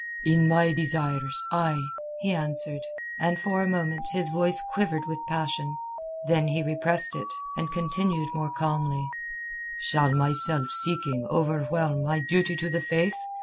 "In my desires—ay!" he answered, and for a moment his voice quivered with passion. Then he repressed it, and continued more calmly—"Shall my self seeking overwhelm my duty to the Faith?